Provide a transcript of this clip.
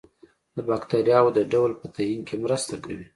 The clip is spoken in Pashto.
د باکتریاوو د ډول په تعین کې مرسته کوي.